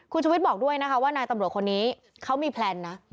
คุณชุวิตบอกด้วยนะคะว่านายตำรวจคนนี้เขามีแพลนนะ